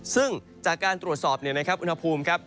ซึ่งจากการตรวจสอบเนี่ยนะครับอุณหภูมิครับ